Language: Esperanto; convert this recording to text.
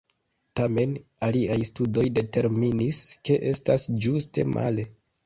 Tamen, aliaj studoj determinis ke estas ĝuste male.